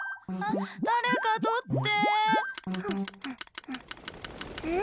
誰か、取って！